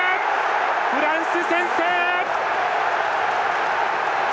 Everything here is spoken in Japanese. フランス、先制！